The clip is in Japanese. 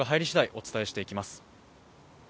お伝えしていきます。